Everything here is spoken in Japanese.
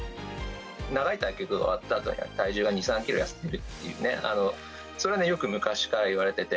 長い対局が終わったあとには、体重が２、３キロ痩せるって、それはよく昔から言われてて。